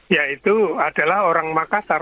yaitu adalah orang makassar